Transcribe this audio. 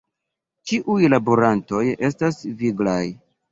Ĉiuj laborantoj estas viglaj.